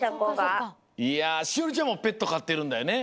栞里ちゃんもペットかってるんだよね？